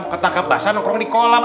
ketangkap bahasa nongkrong di kolam